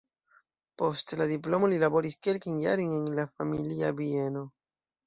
Post la diplomo li laboris kelkajn jarojn en la familia bieno.